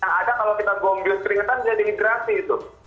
yang ada kalau kita buang buang keringatan jadi dihidrasi itu